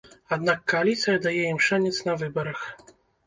Аднак кааліцыя дае ім шанец на выбарах.